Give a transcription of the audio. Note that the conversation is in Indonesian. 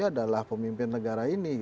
adalah pemimpin negara ini